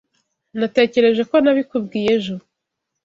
Natekereje ko nabikubwiye ejo.